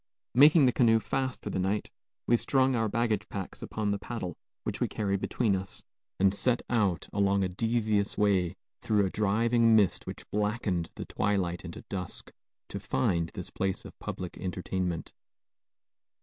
Making the canoe fast for the night, we strung our baggage packs upon the paddle which we carried between us, and set out along a devious way, through a driving mist which blackened the twilight into dusk, to find this place of public entertainment.